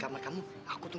kau gaan am bank dateng